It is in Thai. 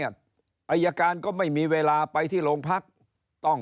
อายการก็ไม่มีเวลาไปที่โรงพักต้อง